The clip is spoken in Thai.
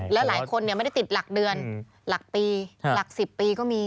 แล้วหลายคนไม่ได้ติดหลักเดือนหลักปีหลัก๑๐ปีก็มี